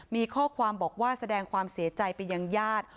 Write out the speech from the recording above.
มีข้อความบอกว่าแสดงความเสียใจไปยังญาติ